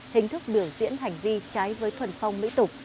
hình thức biểu diễn hành vi trái với thuần phong mỹ tục